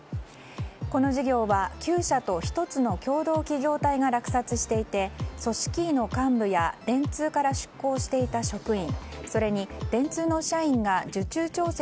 この事業は９社と１つの共同企業体が落札していて組織委の幹部や電通から出向していた職員